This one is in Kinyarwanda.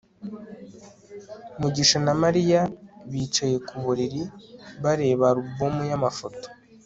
mugisha na mariya bicaye ku buriri, bareba alubumu y'amafoto